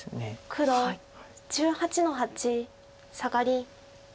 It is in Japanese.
黒１８の八サガリ。